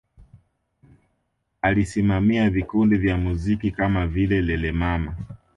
Alisimamia vikundi vya muziki kama vile Lelemama